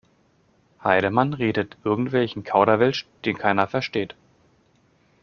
Heidemann redet irgendwelchen Kauderwelsch, den keiner versteht.